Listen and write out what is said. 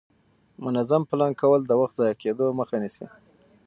منظم پلان کول د وخت ضایع کېدو مخه نیسي